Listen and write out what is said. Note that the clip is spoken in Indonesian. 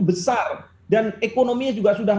besar dan ekonominya juga sudah